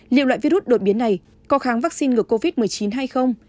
liệu loại virus đột biến này có kháng vaccine ngừa covid một mươi chín hay không